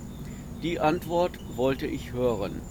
Die Antwort wollte ich hören.